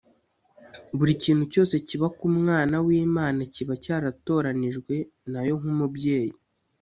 Buri kintu cyose kiba ku mwana w’Imana kiba cyaratoranijwe nayo nk’umubyeyi